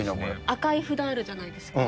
赤い札あるじゃないですか。